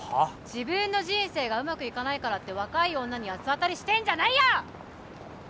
自分の人生がうまくいかないからって若い女に八つ当たりしてんじゃないよ！